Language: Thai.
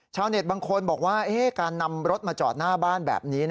ชาวเน็ตบางคนบอกว่าการนำรถมาจอดหน้าบ้านแบบนี้